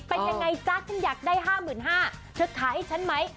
เป็นยังไงจ๊ะฉันอยากได้๕๕๐๐บาทเธอขายให้ฉันไหม